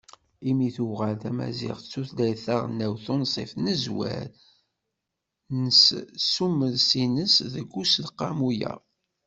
Imi tuɣal tmaziɣt d tutlayt taɣelnawt tunṣibt, nezwer s usemres-ines deg Useqqamu-a.